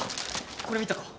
これ見たか？